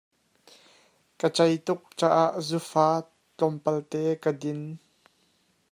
Ka cei tuk caah zufa tlawmpalte ka din.